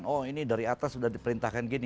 oh ini dari atas sudah diperintahkan gini